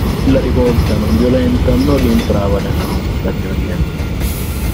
La rivolta non violenta non rientrava nella nostra teoria.